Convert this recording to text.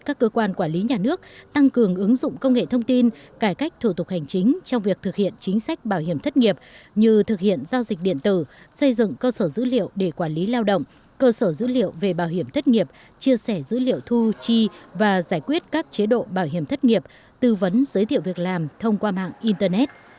các cơ quan quản lý nhà nước tăng cường ứng dụng công nghệ thông tin cải cách thủ tục hành chính trong việc thực hiện chính sách bảo hiểm thất nghiệp như thực hiện giao dịch điện tử xây dựng cơ sở dữ liệu để quản lý lao động cơ sở dữ liệu về bảo hiểm thất nghiệp chia sẻ dữ liệu thu chi và giải quyết các chế độ bảo hiểm thất nghiệp tư vấn giới thiệu việc làm thông qua mạng internet